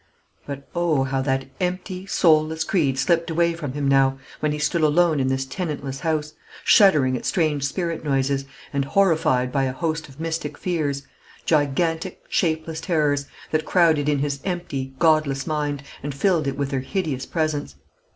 But, oh! how that empty, soulless creed slipped away from him now, when he stood alone in this tenantless house, shuddering at strange spirit noises, and horrified by a host of mystic fears gigantic, shapeless terrors that crowded in his empty, godless mind, and filled it with their hideous presence!